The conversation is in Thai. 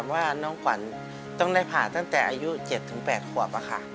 ว่าน้องขวัญต้องได้ผ่าตั้งแต่อายุ๗๘ขวบ